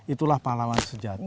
itulah pahlawan sejati